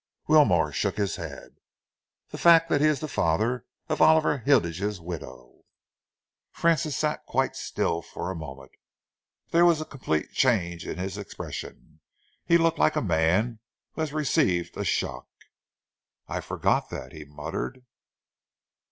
Wilmore shook his head. "The fact that he is the father of Oliver Hilditch's widow." Francis sat quite still for a moment. There was a complete change in his expression. He looked like a man who has received a shock. "I forgot that," he muttered.